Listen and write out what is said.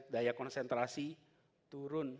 daya konsentrasi turun